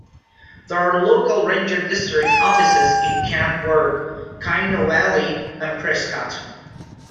There are local ranger district offices in Camp Verde, Chino Valley, and Prescott.